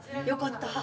よかった。